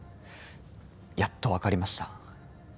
やっとわかりました。